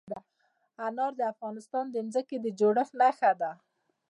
انار د افغانستان د ځمکې د جوړښت نښه ده.